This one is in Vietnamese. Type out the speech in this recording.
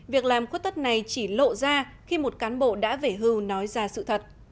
việc làm khuất tất này chỉ lộ ra khi một cán bộ đã về hưu nói ra sự thật